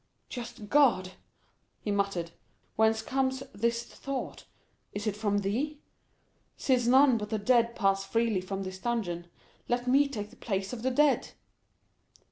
"Just God!" he muttered, "whence comes this thought? Is it from thee? Since none but the dead pass freely from this dungeon, let me take the place of the dead!"